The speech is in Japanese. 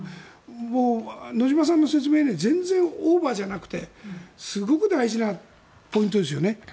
もう野嶋さんの説明は全然オーバーじゃなくてすごく大事なポイントですよね。